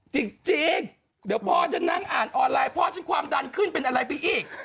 จริงเดี๋ยวพ่อจะนั่งอ่านออนไลน์พ่อฉันความดันขึ้นเป็นอะไรไปอีก